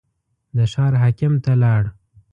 د ښار حاکم ته لاړ.